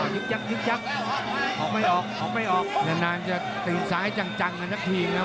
ยึกยับยึกยับออกไม่ออกออกไม่ออกนานจะตื่นซ้ายจังจังกันนะครับทีนะ